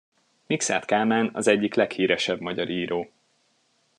Mikszáth Kálmán az egyik leghíresebb magyar író.